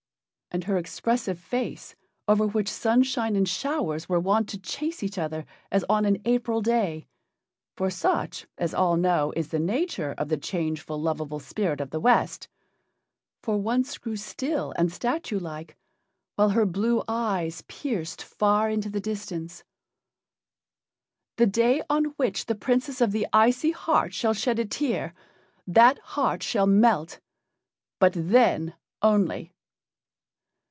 and her expressive face, over which sunshine and showers were wont to chase each other as on an April day for such, as all know, is the nature of the changeful, lovable spirit of the West for once grew still and statue like, while her blue eyes pierced far into the distance. "The day on which the Princess of the Icy Heart shall shed a tear, that heart shall melt but then only."